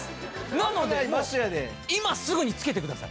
なので今すぐにつけてください皆さん。